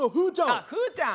あっフーちゃん。